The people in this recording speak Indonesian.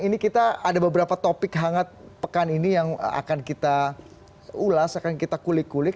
ini kita ada beberapa topik hangat pekan ini yang akan kita ulas akan kita kulik kulik